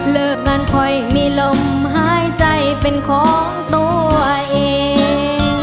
เลิกกันค่อยมีลมหายใจเป็นของตัวเอง